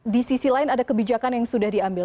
di sisi lain ada kebijakan yang sudah diambil